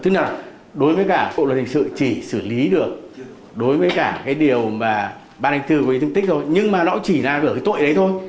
tức là đối với cả bộ luật hình sự chỉ xử lý được đối với cả cái điều mà ban hành tư quý vị thông tích rồi